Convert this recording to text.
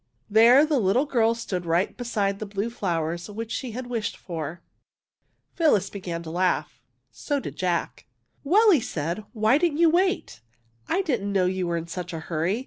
There the little girl stood right beside the blue flowers which she had wished for. Phyllis began to laugh. So did Jack. '' Well," said he, " why didn't you wait? I didn't know you were in such a hurry.